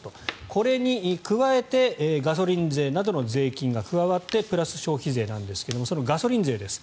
これに加えてガソリン税などの税金が加わってプラス消費税なんですがそのガソリン税です。